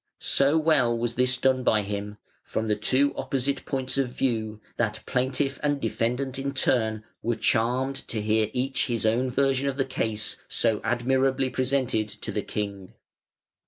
So well was this done by him, from the two opposite points of view, that plaintiff and defendant in turn were charmed to hear each his own version of the case so admirably presented to the king.